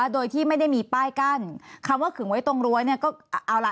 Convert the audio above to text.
โดยที่ไม่ได้มีป้ายกั้นคำว่าขึงไว้ตรงรั้วเนี่ยก็เอาล่ะ